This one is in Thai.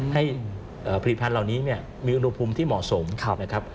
ให้ผลิตภัณฑ์เหล่านี้มีอุณหภูมิที่เหมาะสมนะครับ